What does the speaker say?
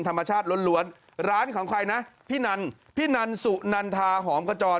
ธรรมชาติล้วนร้านของใครนะพี่นันพี่นันสุนันทาหอมขจร